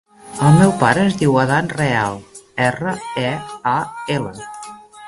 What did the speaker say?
El meu pare es diu Adán Real: erra, e, a, ela.